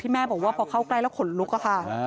แม่บอกว่าพอเข้าใกล้แล้วขนลุกอะค่ะ